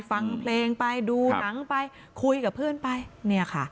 ฟังเพลงไปดูหนังไปคุยกับเพื่อนไปเนี่ยค่ะ